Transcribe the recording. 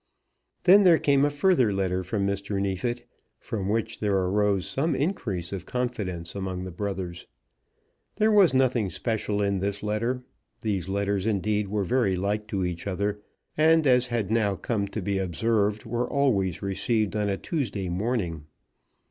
Then there came a further letter from Mr. Neefit, from which there arose some increase of confidence among the brothers. There was nothing special in this letter. These letters, indeed, were very like to each other, and, as had now come to be observed, were always received on a Tuesday morning.